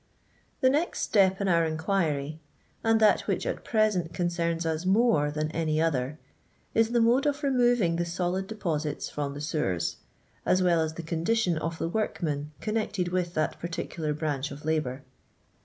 j TuE next step iu our inquiry — ^and that which I at present concerns us more than any other — is the mode of removing the solid deposits from the sewers, as well as the condition of the workmen connected with that particular brnuch of labour.